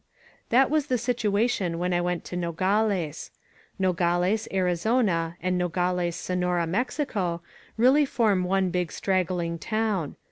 That was the situation when I went to Nogales. Nogales, Arizona, and Nogales, Sonora, Mexico, really form one big straggling town.